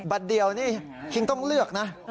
บาทเดียวนี่คิงต้องเลือกนะ